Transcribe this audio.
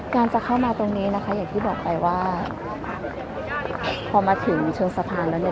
การจะเข้ามาตรงนี้นะคะอย่างที่บอกไปว่าพอมาถึงเชิงสะพานแล้วเนี่ย